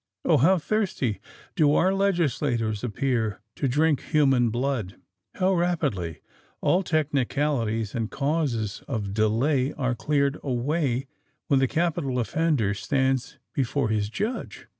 Oh! how thirsty do our legislators appear to drink human blood. How rapidly all technicalities and causes of delay are cleared away when the capital offender stands before his judge!